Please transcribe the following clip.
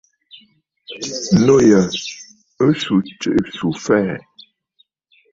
Nû yà ɨ swu jiʼì swù fɛɛ̀.